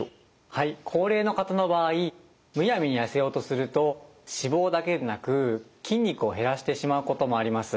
はい高齢の方の場合むやみにやせようとすると脂肪だけでなく筋肉を減らしてしまうこともあります。